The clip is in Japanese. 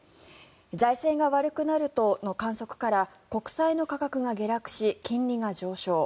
財政が悪くなるとの観測から国債の価格が下落し金利が上昇。